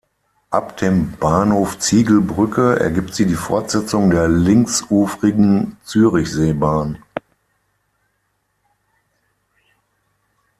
Ab dem Bahnhof Ziegelbrücke ergibt sie die Fortsetzung der Linksufrigen Zürichseebahn.